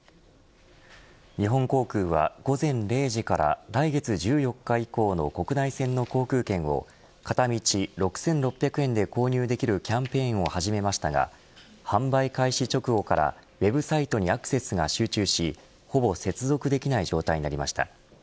日本航空は午前０時から来月１４日以降の国内線の航空券を、片道６６００円で購入できるキャンペーンを始めましたが販売開始直後からウェブサイトにアクセスが集中しほぼ接続できない状態になりました。